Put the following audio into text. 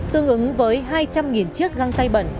tương ứng với hai trăm linh chiếc găng tay bẩn